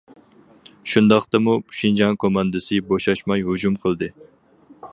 شۇنداقتىمۇ شىنجاڭ كوماندىسى بوشاشماي ھۇجۇم قىلدى.